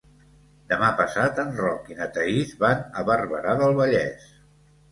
Demà passat en Roc i na Thaís van a Barberà del Vallès.